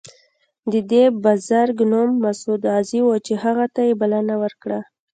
د دې بزرګ نوم مسعود غازي و چې هغه ته یې بلنه ورکړه.